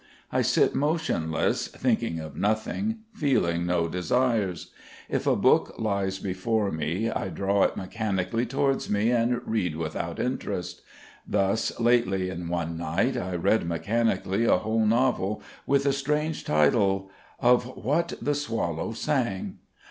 I sit motionless thinking of nothing, feeling no desires; if a book lies before me I draw it mechanically towards me and read without interest. Thus lately in one night I read mechanically a whole novel with a strange title, "Of What the Swallow Sang."